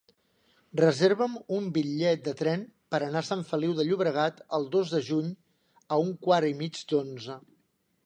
Reserva'm un bitllet de tren per anar a Sant Feliu de Llobregat el dos de juny a un quart i mig d'onze.